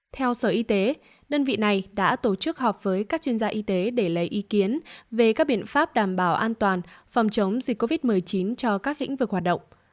theo sở y tế đơn vị này đã tổ chức họp với các chuyên gia y tế để lấy ý kiến về các biện pháp đảm bảo an toàn phòng chống dịch covid một mươi chín cho các lĩnh vực hoạt động